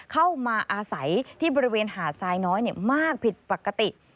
เข้ามาอาศัยที่บริเวณหาดทรายน้อยมากผิดปกติ